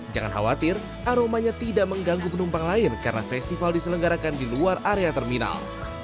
jangan khawatir aromanya tidak mengganggu penumpang lain karena festival diselenggarakan di luar area terminal